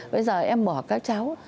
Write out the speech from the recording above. bây giờ em bỏ các cháu